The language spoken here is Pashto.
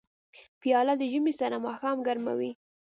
پیاله د ژمي سړه ماښام ګرموي.